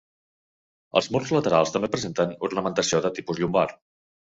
Els murs laterals també presenten ornamentació de tipus llombard.